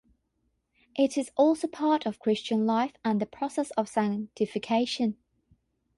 It is also part of Christian life and the process of sanctification.